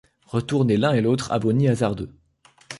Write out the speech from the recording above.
Retournez l'un et l'autre à vos nids hasardeux.